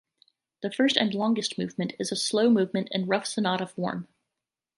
The first and longest movement is a slow movement in rough sonata form.